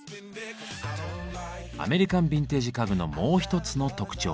アメリカンビンテージ家具のもう一つの特徴。